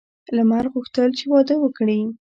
لمر غوښتل چې واده وکړي.